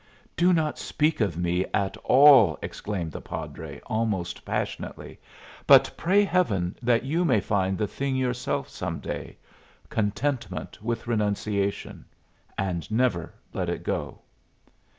"Do not speak of me at all!" exclaimed the padre, almost passionately. "But pray Heaven that you may find the thing yourself some day contentment with renunciation and never let it go."